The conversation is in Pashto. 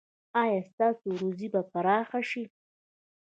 ایا ستاسو روزي به پراخه شي؟